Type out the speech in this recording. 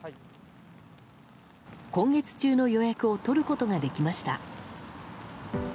今月中の予約を取ることができました。